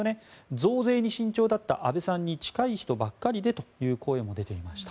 増税に慎重だった安倍さんに近い人ばかりでと話しています。